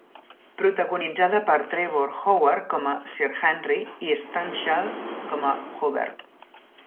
Protagonitzada per Trevor Howard com a Sir Henry, i Stanshall com a Hubert.